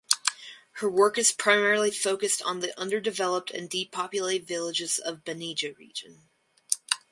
Her work is primarily focused on the underdeveloped and depopulated villages of Banija region.